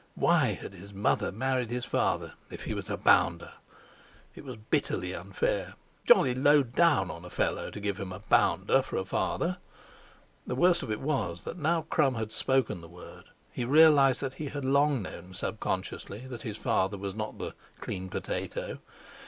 Why had his mother married his father, if he was a "bounder". It was bitterly unfair—jolly low down on a fellow to give him a "bounder" for father. The worst of it was that now Crum had spoken the word, he realised that he had long known subconsciously that his father was not "the clean potato."